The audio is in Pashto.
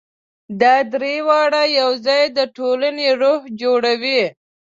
دا درې واړه یو ځای د ټولنې روح جوړوي.